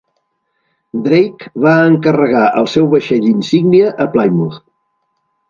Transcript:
Drake va encarregar el seu vaixell insígnia a Plymouth.